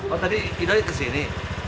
oh tadi idoi kesini